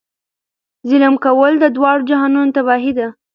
ظلم کول د دواړو جهانونو تباهي ده.